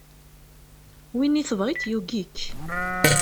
Win i tebɣiḍ yugi-k.